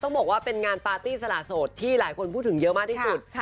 ต้องบอกว่าเป็นงานปาร์ตี้สละโสดที่หลายคนพูดถึงเยอะมากที่สุด